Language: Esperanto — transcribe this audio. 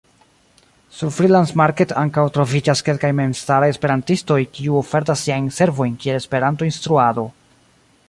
Sur Freelance-Market ankaŭ troviĝas kelkaj memstaraj Esperantistoj kiu ofertas siajn servojn kiel Esperanto-instruado.